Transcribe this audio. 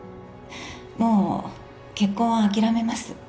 もう結婚は諦めます